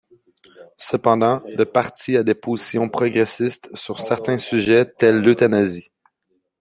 Cependant, le parti a des positions progressistes sur certains sujets tels l'euthanasie.